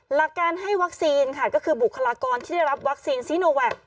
หลักการให้วัคซีนค่ะก็คือบุคลากรที่ได้รับวัคซีนซีโนแวค